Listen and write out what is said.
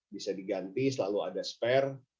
bisa diganti selalu ada spare